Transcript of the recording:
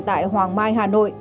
tại hoàng mai hà nội